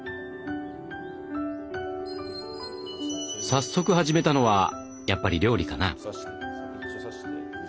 早速始めたのはやっぱり料理かな？